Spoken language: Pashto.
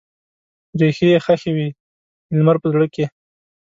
ریښې یې ښخې وي د لمر په زړه کې